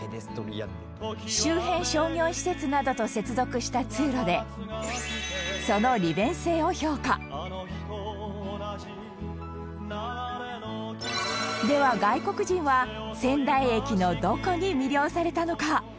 周辺商業施設などと接続した通路でその利便性を評価では、外国人は仙台駅のどこに魅了されたのか？